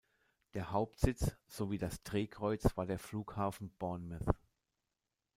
Der Hauptsitz sowie das Drehkreuz war der Flughafen Bournemouth.